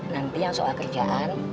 nanti yang soal kerjaan